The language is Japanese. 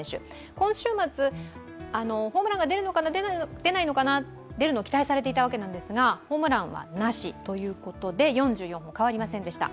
今週末、ホームランが出るのかな、出ないのかなと、出るのを期待されていたんですがホームランはなしということで、４４本、変わりませんでした。